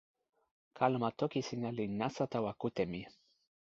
kalama toki sina li nasa tawa kute mi.